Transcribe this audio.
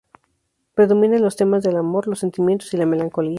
Predomina en los temas el amor, los sentimientos y la melancolía.